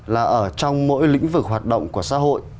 là ở trong mỗi lĩnh vực hoạt động của xã hội